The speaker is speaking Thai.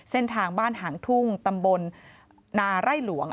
เส้นทางบ้านหางทุ่งตำบลนาไร่หลวง